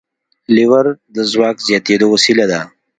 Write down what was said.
لیور د ځواک د زیاتېدو وسیله ده.